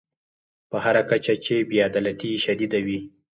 په هر کچه چې بې عدالتي شدیده وي.